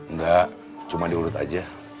nggak cuma diurut aja